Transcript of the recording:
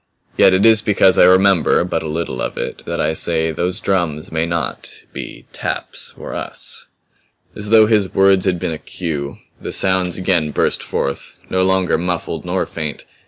Yet it is because I remember but a little of it that I say those drums may not be taps for us." As though his words had been a cue, the sounds again burst forth no longer muffled nor faint.